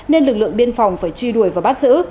nên lực lượng biên phòng phải truy đuổi và bắt giữ